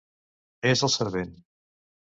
És el servent.